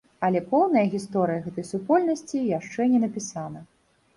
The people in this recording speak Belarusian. Але поўная гісторыя гэтай супольнасці яшчэ не напісана.